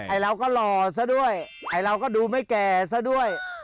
เราก็หล่อซะด้วยไอ้เราก็ดูไม่แก่ซะด้วย